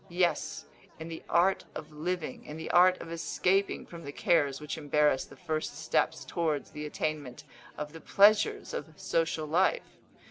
Yes, in the art of living in the art of escaping from the cares which embarrass the first steps towards the attainment of the pleasures of social life.